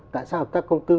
tại sao hợp tác công tư